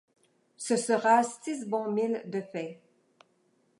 Ce sera six bons milles de faits.